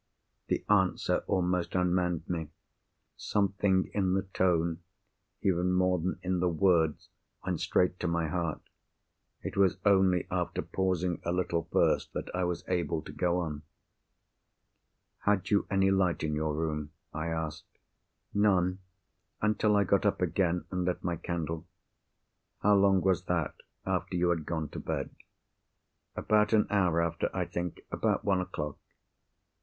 The answer almost unmanned me. Something in the tone, even more than in the words, went straight to my heart. It was only after pausing a little first that I was able to go on. "Had you any light in your room?" I asked. "None—until I got up again, and lit my candle." "How long was that, after you had gone to bed?" "About an hour after, I think. About one o'clock."